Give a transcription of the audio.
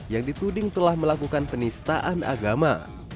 yang dituding telah melakukan penistaan agama